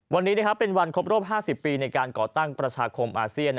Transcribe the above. วันนี้เป็นวันครบรอบ๕๐ปีในการก่อตั้งประชาคมอาเซียน